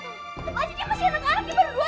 tepat aja dia masih anak anak dia baru dua tahun